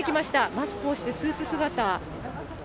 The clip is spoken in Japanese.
マスクをして、スーツ姿。